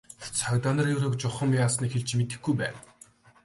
Цагдаа нар Ерөөг чухам яасныг хэлж мэдэхгүй байна.